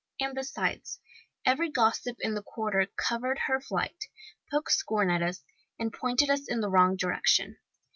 And besides, every gossip in the quarter covered her flight, poked scorn at us, and pointed us in the wrong direction.